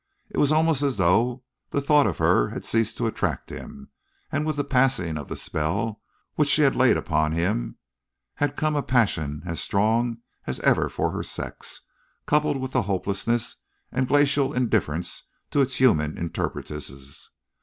It was almost as though the thought of her had ceased to attract him, and with the passing of the spell which she had laid upon him had come a passion as strong as ever for her sex, coupled with hopeless and glacial indifference to its human interpretesses.